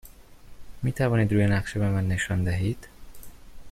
می توانید روی نقشه به من نشان دهید؟